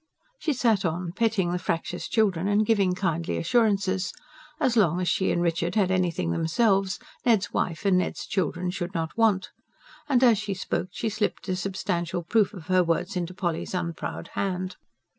She sat on, petting the fractious children and giving kindly assurances: as long as she and Richard had anything themselves, Ned's wife and Ned's children should not want: and as she spoke, she slipped a substantial proof of her words into Polly's unproud hand.